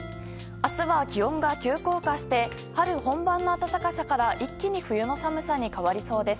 明日は、気温が急降下して春本番の暖かさから一気に冬の寒さに変わりそうです。